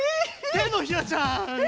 てのひらちゃん！